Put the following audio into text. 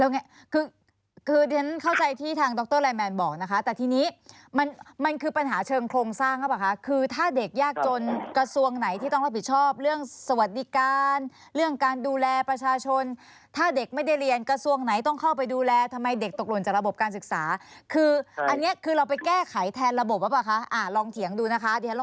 คือคือเรียนเข้าใจที่ทางดรไลนแมนบอกนะคะแต่ทีนี้มันมันคือปัญหาเชิงโครงสร้างหรือเปล่าคะคือถ้าเด็กยากจนกระทรวงไหนที่ต้องรับผิดชอบเรื่องสวัสดิการเรื่องการดูแลประชาชนถ้าเด็กไม่ได้เรียนกระทรวงไหนต้องเข้าไปดูแลทำไมเด็กตกหล่นจากระบบการศึกษาคืออันนี้คือเราไปแก้ไขแทนระบบหรือเปล่าคะอ่าลองเถียงดูนะคะ